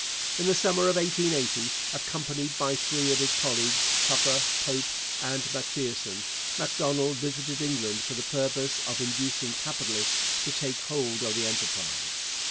In the summer of 1880, accompanied by three of his colleagues Tupper, Pope, and Macpherson Macdonald visited England for the purpose of inducing capitalists to take hold of the enterprise.